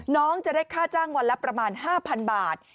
น้องจะได้ค่าจ้างวันละประมาณ๕๐๐๐บาท